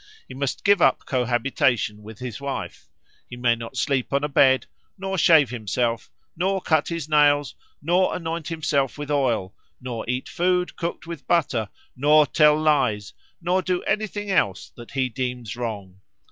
He must give up cohabitation with his wife; he may not sleep on a bed, nor shave himself, nor cut his nails, nor anoint himself with oil, nor eat food cooked with butter, nor tell lies, nor do anything else that he deems wrong.